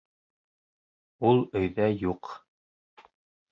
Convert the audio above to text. — Ул өйҙә юҡ.